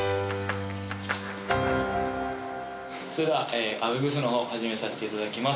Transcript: それではアウフグースのほう始めさせていただきます